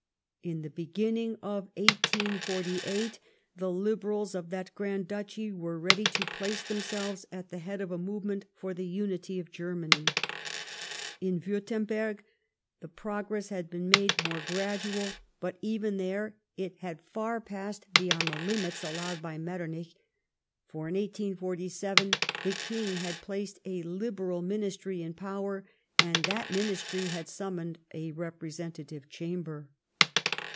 In the beginning of 1848 the Liberals of that Grand Duchy were ready to place themselves at the head of a movement foi the unity of Germany. In Wiirtemberg, the progress had been made more gradual ; but even there, it had far 186 LIFE OF PRINCE METTEBNICR. ])assed bevoud the limits allowed by j\retteniieli, for in IS !? the King bad placed a Liberal Ministry in power, and that Ministry had summoned a representative chamber.